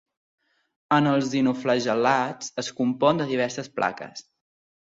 En els dinoflagel·lats es compon de diverses plaques.